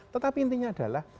tetapi intinya adalah